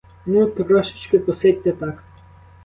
Ну, трошечки посидьте так.